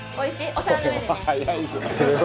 お皿の上でね。